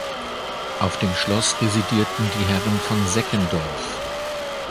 Auf dem Schloss residierten die Herren von Seckendorff.